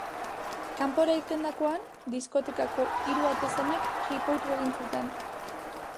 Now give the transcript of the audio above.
Kanpora irtendakoan, diskotekako hiru atezainek jipoitu egin zuten.